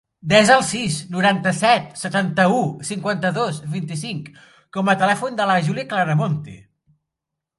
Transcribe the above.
Desa el sis, noranta-set, setanta-u, cinquanta-dos, vint-i-cinc com a telèfon de la Giulia Claramonte.